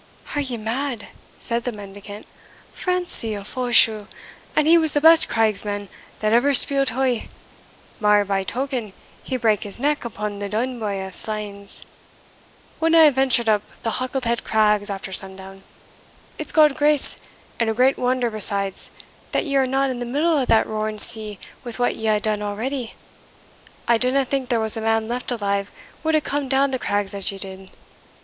"Are ye mad?" said the mendicant: "Francie o' Fowlsheugh, and he was the best craigsman that ever speel'd heugh (mair by token, he brake his neck upon the Dunbuy of Slaines), wodna hae ventured upon the Halket head craigs after sun down It's God's grace, and a great wonder besides, that ye are not in the middle o' that roaring sea wi' what ye hae done already I didna think there was the man left alive would hae come down the craigs as ye did.